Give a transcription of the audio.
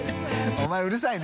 お前うるさいね。